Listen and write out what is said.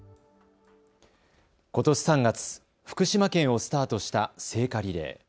ことし３月、福島県をスタートした聖火リレー。